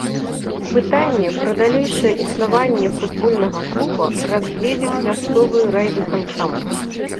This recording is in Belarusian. Пытанне пра далейшае існаванне футбольнага клуба разгледзіць мясцовы райвыканкам.